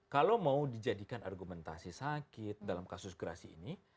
kalau mau dijadikan argumentasi sakit dalam kasus gerasi ini